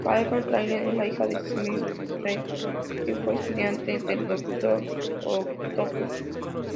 Carolyn Trainer es la hija de Seward Trainer que fue estudiante del Doctor Octopus.